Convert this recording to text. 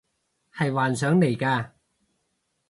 係幻想嚟嘅